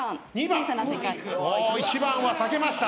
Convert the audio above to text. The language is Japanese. １番は避けました。